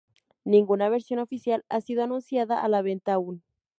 Ninguna versión oficial ha sido anunciada a la venta aún.